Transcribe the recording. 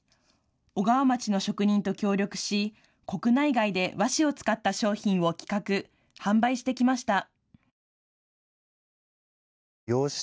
小川町の職人と協力し国内外で和紙を使った商品を企画、販売してきました。